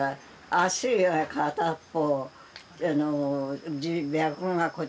足が片っぽ。